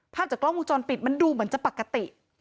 จากกล้องวงจรปิดมันดูเหมือนจะปกติ